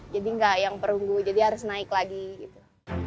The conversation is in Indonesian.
jadi nggak yang perunggu jadi harus naik lagi gitu